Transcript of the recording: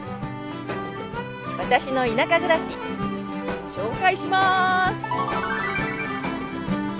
私の田舎暮らし紹介します！